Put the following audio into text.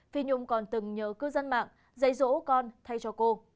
phi nhung còn từng nhờ cư dân mạng dạy dỗ con thay cho cô